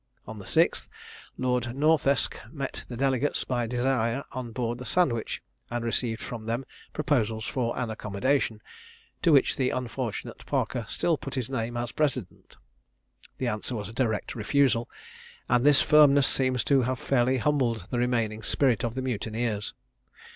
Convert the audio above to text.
On the 6th, Lord Northesk met the delegates by desire on board the Sandwich, and received from them proposals for an accommodation, to which the unfortunate Parker still put his name as president. The answer was a direct refusal, and this firmness seems to have fairly humbled the remaining spirit of the mutineers.